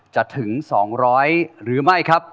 จะถึง๒๐๐คะแนนหรือไม่ครับ